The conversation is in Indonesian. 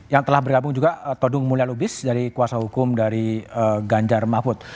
yang telah bergabung juga todung mulya lubis dari kuasa hukum dari ganjar mahfud